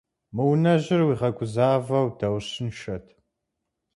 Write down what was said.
Мы унэжьыр уигъэгузавэу даущыншэт.